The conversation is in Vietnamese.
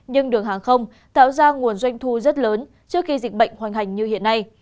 nhưng đường hàng không tạo ra nguồn doanh thu rất lớn trước khi dịch bệnh hoành hành như hiện nay